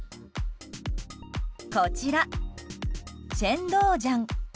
こちら、シェンドウジャン。